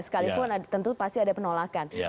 sekalipun tentu pasti ada penolakan